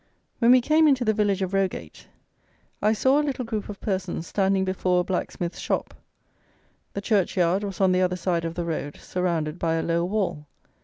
When we came into the village of Rogate, I saw a little group of persons standing before a blacksmith's shop. The church yard was on the other side of the road, surrounded by a low wall.